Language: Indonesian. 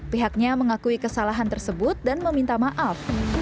pihaknya mengakui kesalahan tersebut dan meminta maaf